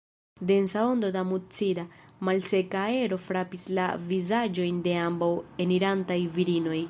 Densa ondo da mucida, malseka aero frapis la vizaĝojn de ambaŭ enirantaj virinoj.